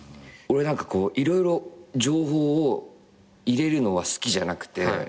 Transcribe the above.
俺何かこう色々情報を入れるのは好きじゃなくて。